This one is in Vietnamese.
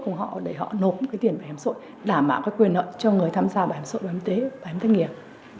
họ để họ nộp cái tiền bảo hiểm xã hội đảm bảo cái quyền nợ cho người tham gia bảo hiểm xã hội bảo hiểm thách nghiệp